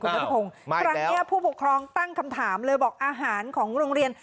อ้าวมาอีกแล้วครั้งเนี้ยผู้ปกครองตั้งคำถามเลยบอกอาหารของโรงเรียน